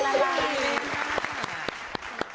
ใจมากค่ะ